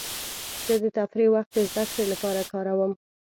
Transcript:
زه د تفریح وخت د زدهکړې لپاره کاروم.